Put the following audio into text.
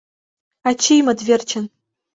Ачиймыт верчын!..